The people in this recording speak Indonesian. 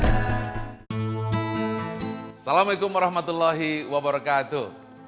assalamualaikum warahmatullahi wabarakatuh